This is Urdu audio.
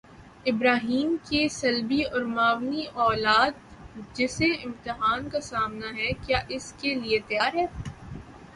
ابراہیمؑ کی صلبی اور معنوی اولاد، جسے امتحان کا سامنا ہے، کیا اس کے لیے تیار ہے؟